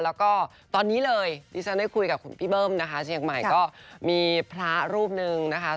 แล้วก็ตอนนี้เลยที่ฉันได้คุยกับคุณพี่เบิ้มนะคะเชียงใหม่ก็มีพระรูปหนึ่งนะคะ